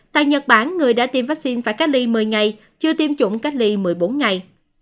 tại nhật bản người đã tiêm vaccine phải cách ly một mươi ngày chưa tiêm chủng cách ly một mươi bốn ngày